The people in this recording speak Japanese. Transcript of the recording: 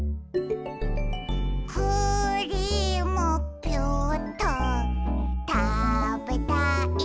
「クリームピューっとたべたいな」